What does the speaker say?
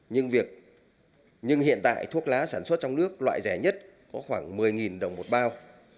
nhưng hiện tại thuốc lá sản xuất trong nước loại rẻ nhất có khoảng một mươi đồng một bao